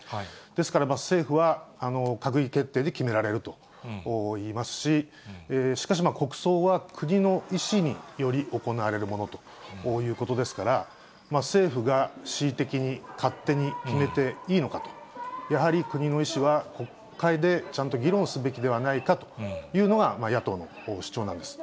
ですから、政府は閣議決定で決められるといいますし、しかし、国葬は国の意思により行われるものということですから、政府が恣意的に、勝手に決めていいのかと、やはり国の意思は国会でちゃんと議論すべきではないかというのが、野党の主張なんです。